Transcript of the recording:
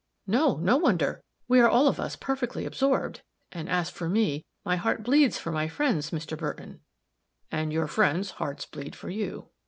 "No no wonder! We are all of us perfectly absorbed and, as for me, my heart bleeds for my friends, Mr. Burton." "And your friends' hearts bleed for you."